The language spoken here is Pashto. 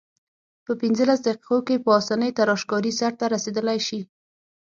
په پنځلس دقیقو کې په اسانۍ تراشکاري سرته رسیدلای شي.